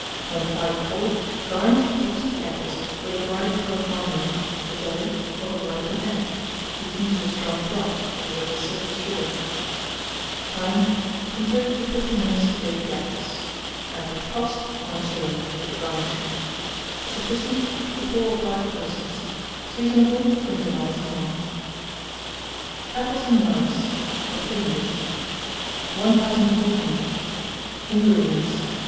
When quite cold, garnish the tops of the apples with a bright coloured marmalade, a jelly, or the white of an egg, beaten to a strong froth, with a little sifted sugar. Time. From 30 to 50 minutes to bake the apples. Average cost, 1s., with the garnishing. Sufficient for 4 or 5 persons. Seasonable from July to March. APPLES AND RICE. (A Plain Dish.) 1400. INGREDIENTS.